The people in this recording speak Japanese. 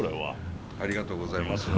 ありがとうございます。